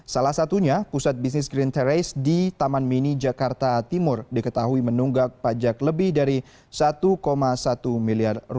salah satunya pusat bisnis green terrace di taman mini jakarta timur diketahui menunggak pajak lebih dari rp satu satu miliar